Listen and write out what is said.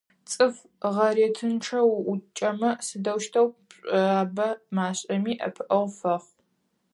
ЦӀыф гъэретынчъэ уӀукӀэмэ, сыдэущтэу пшӀуабэ машӀэми, ӀэпыӀэгъу фэхъу.